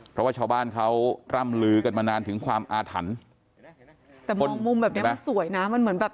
เพราะว่าชาวบ้านเขาร่ำลื้อกันมานานถึงความอาถรรภ์